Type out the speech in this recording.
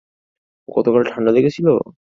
গতকাল ঠান্ডা লেগেছিলো?